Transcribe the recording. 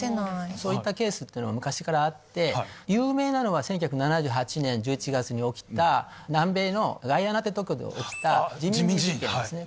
そういったケースっていうのは昔からあって有名なのは１９７８年１１月に起きた南米のガイアナってとこで起きた人民寺院事件ですね。